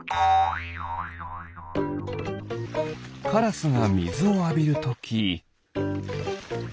カラスがみずをあびるとき。